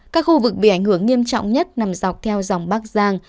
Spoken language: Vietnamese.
các khu vực bị ảnh hưởng nghiêm trọng nhất nằm dọc theo dòng bắc giang